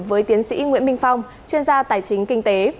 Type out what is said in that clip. với tiến sĩ nguyễn minh phong chuyên gia tài chính kinh tế